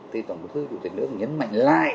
thì tổng bí thư chủ tịch nước nhấn mạnh lại